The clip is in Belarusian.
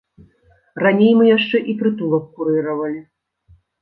Раней мы яшчэ і прытулак курыравалі.